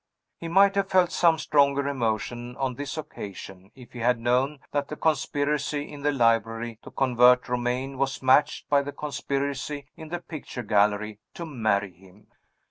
He might have felt some stronger emotion on this occasion, if he had known that the conspiracy in the library to convert Romayne was matched by the conspiracy in the picture gallery to marry him.